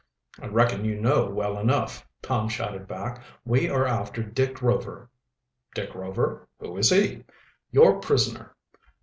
"I reckon you know well enough," Tom shouted back. "We are after Dick Rover." "Dick Rover? Who is he?" "Your prisoner."